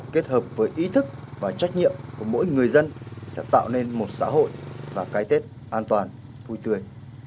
kết hợp với ý thức và trách nhiệm của mỗi người dân sẽ tạo nên một xã hội và cái tết an toàn vui tươi